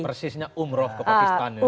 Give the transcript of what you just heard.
persisnya umroh ke pacitan